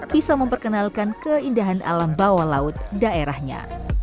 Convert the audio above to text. bisa memperkenalkan keindahan alam bawah laut daerahnya